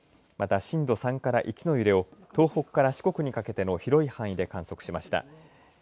また震度３から１の揺れを東北から四国にかけての広い範囲で観測しました。